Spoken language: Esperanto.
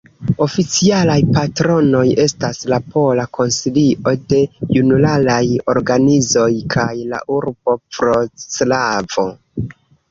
Oficialaj patronoj estas la Pola Konsilio de Junularaj Organizoj kaj la urbo Vroclavo.